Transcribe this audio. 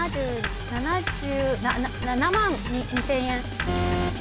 ７万２，０００円。